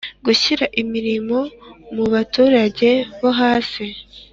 Gushyira Imirimo muba turage bo hasi